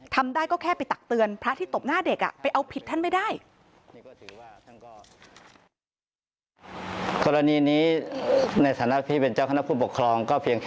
ทำได้ก็แค่ไปตักเตือนพระที่ตบหน้าเด็กไปเอาผิดท่านไม่ได้